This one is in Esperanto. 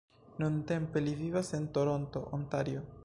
Nuntempe li vivas en Toronto, Ontario.